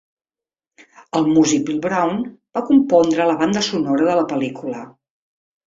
El músic Bill Brown va compondre la banda sonora de la pel·lícula.